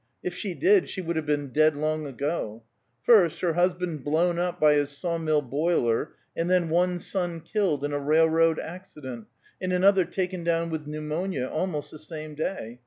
If she did she would have been dead long ago. First, her husband blown up by his saw mill boiler, and then one son killed in a railroad accident, and another taken down with pneumonia almost the same day!